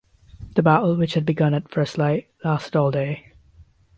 The battle, which had begun at first light, lasted all day.